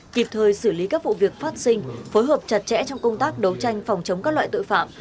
kịp thời xử lý các vụ việc phát sinh phối hợp chặt chẽ trong công tác đấu tranh phòng chống các loại tội phạm